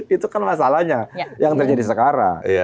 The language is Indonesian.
itu kan masalahnya yang terjadi sekarang